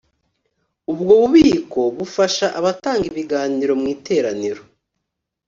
ubwo bubiko bufasha abatanga ibiganiro mu iteraniro